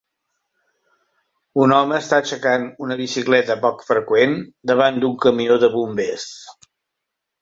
Un home està aixecant una bicicleta poc freqüent davant d'un camió de bombers.